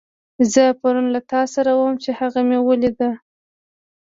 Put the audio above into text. زه پرون له تاسره وم، چې هغه مې وليدو.